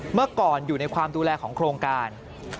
เมื่อก่อนอยู่ในความดูแลของโครงการ